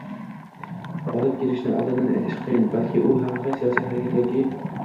olib kelishini oldindan aytish qiyin – balki u haqiqiy siyosiy harakat yoki